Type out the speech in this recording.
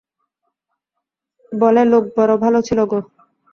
বলে, লোক বড় ভালো ছিল গো।